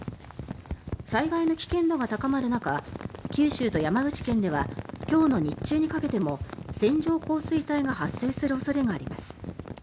災害の危険度が高まる中九州と山口県では今日の日中にかけても線状降水帯が発生する恐れがあります。